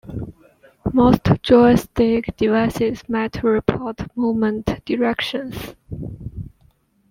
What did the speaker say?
Most joystick-devices might report movement directions.